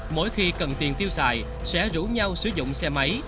mỗi khi cần tiền tiêu xài sẽ rủ nhau sử dụng xe máy